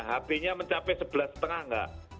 hb nya mencapai sebelas lima cm tidak